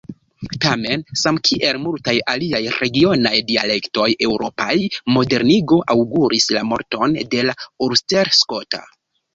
Tamen, samkiel multaj aliaj regionaj dialektoj eŭropaj, modernigo aŭguris la morton de la ulsterskota.